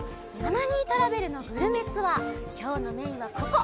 トラベルのグルメツアーきょうのメインはここ！